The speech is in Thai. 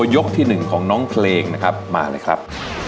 ยกที่๑ของน้องเพลงนะครับมาเลยครับ